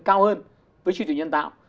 cao hơn với trí tuệ nhân tạo